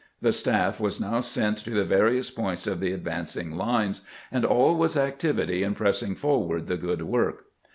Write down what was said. The staff was now sent to the various points of the ad vancing lines, and all was activity in pressing forward the good work.